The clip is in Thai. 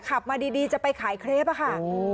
ขับมาดีจะไปขายเครปอะค่ะ